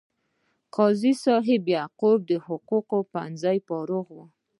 قاضي صاحب یعقوب د حقوقو پوهنځي فارغ و.